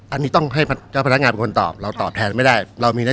อันนี้ถ้าพนักงานมีคนตอบเราตอบแปลจะไม่ได้